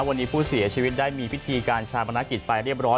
วันนี้ผู้เสียชีวิตได้มีพิธีการชาปนกิจไปเรียบร้อย